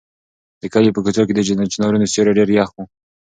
د کلي په کوڅو کې د چنارونو سیوري ډېر یخ وو.